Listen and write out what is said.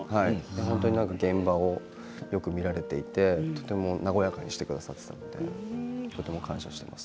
現場をよく見られていて和やかにしてくださってとても感謝しています。